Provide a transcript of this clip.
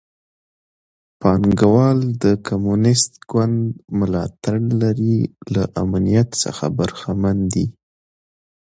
پانګوال د کمونېست ګوند ملاتړ لري له امنیت څخه برخمن دي.